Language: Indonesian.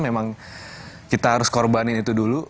memang kita harus korbanin itu dulu